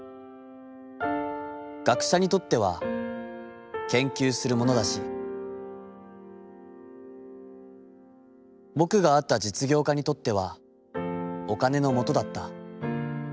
学者にとっては、研究するものだし、ぼくが会った実業家にとってはお金のものとだった。